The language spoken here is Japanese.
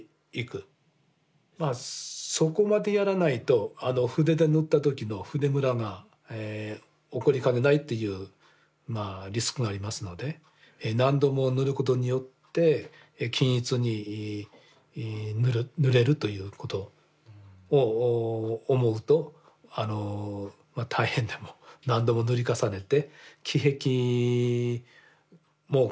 まあそこまでやらないと筆で塗った時の筆ムラが起こりかねないっていうリスクがありますので何度も塗ることによって均一に塗れるということを思うと大変でもっていうことにもなりかねないと。